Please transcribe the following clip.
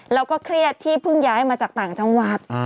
แล้วก็เครียดที่เพิ่งย้ายมาจากต่างจังหวัด